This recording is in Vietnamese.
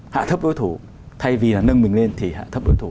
hạ thấp đối thủ thay vì là nâng mình lên thì hạ thấp đối thủ